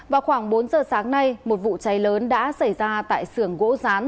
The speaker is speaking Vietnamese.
vào khoảng bốn giờ sáng nay một vụ cháy lớn đã xảy ra tại sưởng gỗ rán